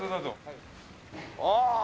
ああ！